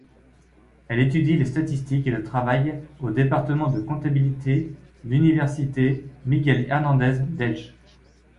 Elle étudie les statistiques et le travail au département de comptabilité l'université Miguel-Hernández d'Elche.